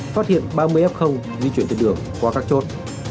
phát hiện ba mươi f di chuyển trên đường qua các chốt